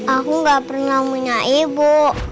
aku gak pernah punya ibu